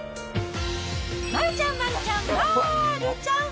丸ちゃん、丸ちゃん、丸ちゃん。